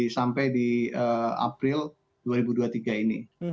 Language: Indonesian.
sampai di april dua ribu dua puluh tiga ini